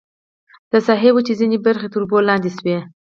د ساحې وچې ځینې برخې تر اوبو لاندې شوې.